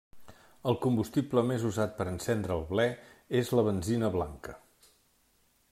El combustible més usat per a encendre el ble és la benzina blanca.